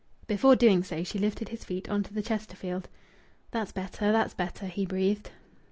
Before doing so she lifted his feet on to the Chesterfield. "That's better. That's better," he breathed.